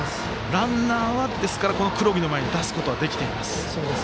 ランナーは黒木の前に出すことはできています。